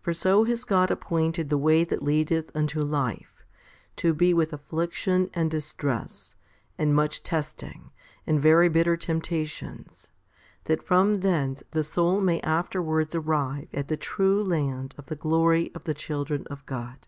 For so has God appointed the way that leadeth unto life, 2 to be with affliction and distress, and much testing, and very bitter temptations, that from thence the soul may afterwards arrive at the true land of the glory of the children of God.